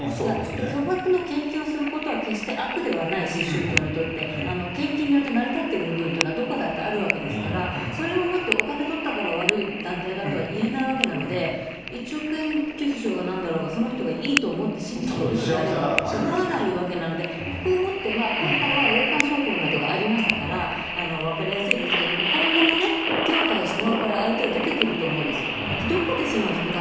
巨額の献金をすることは決して悪ではないし、宗教にとって、献金によって成り立っている部分というのはどこだってあるわけですから、それをもって、お金取ったから悪い団体とは言えないわけなので、１億円寄付しようがなんだろうがその人がいいと思って、信じているのならば、構わないわけなので、ここをもって、今回は霊感商法などがありましたから、分かりやすいですけれども、今後も手を変え品を変え、相手は出てくると思うんですよ。